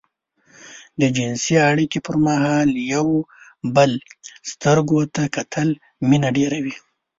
د جنسي اړيکې پر مهال د يو بل سترګو ته کتل مينه ډېروي.